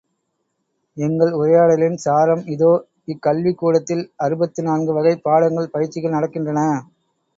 எங்கள் உரையாடலின் சாரம் இதோ இக்கல்விக் கூடத்தில் அறுபத்து நான்கு வகைப் பாடங்கள், பயிற்சிகள் நடக்கின்றன.